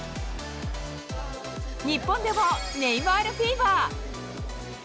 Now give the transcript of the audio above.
日本でもネイマールフィーバー。